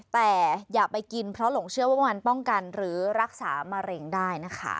แต่อย่าไปกินเพราะหลงเชื่อว่ามันป้องกันหรือรักษามะเร็งได้นะคะ